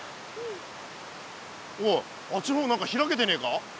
おいあっちの方何か開けてねえか。